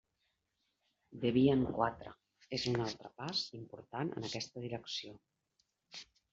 Debian quatre és un altre pas important en aquesta direcció.